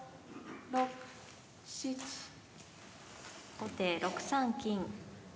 後手６三金。